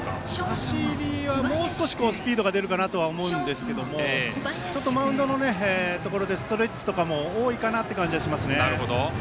走りは、もう少しスピードが出るかなとは思うんですけどマウンドのところでストレッチとかも多いかなっていう感じがしますね。